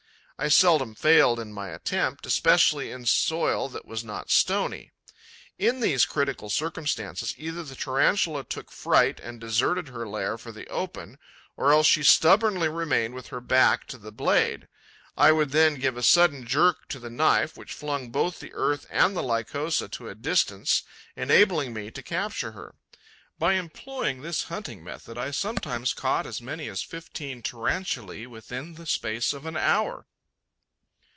I seldom failed in my attempt, especially in soil that was not stony. In these critical circumstances, either the Tarantula took fright and deserted her lair for the open, or else she stubbornly remained with her back to the blade. I would then give a sudden jerk to the knife, which flung both the earth and the Lycosa to a distance, enabling me to capture her. By employing this hunting method, I sometimes caught as many as fifteen Tarantulae within the space of an hour.